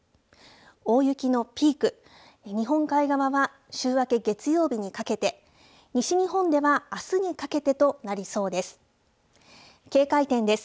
大雪のピーク、日本海側は週明け月曜日にかけて、西日本ではあすにかけてとなりそうです。